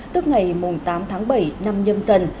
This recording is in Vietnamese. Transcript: tức ngày tám tháng bảy năm nhâm dần